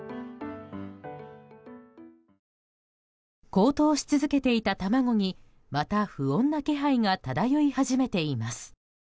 高騰し続けていた卵にまた不穏な気配が漂い始めています。